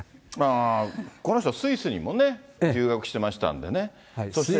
この人はスイスにもね、留学してましたんでね。